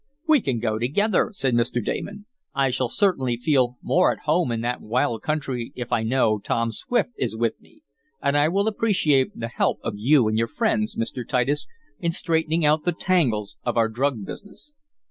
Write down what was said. "We can go together." said Mr. Damon. "I shall certainly feel more at home in that wild country if I know Tom Swift is with me, and I will appreciate the help of you and your friends, Mr. Titus, in straightening out the tangles of our drug business."